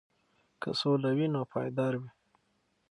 که سوله وي نو پایدار وي.